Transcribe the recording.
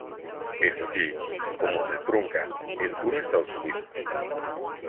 Es así como se trunca el tour a Estados Unidos.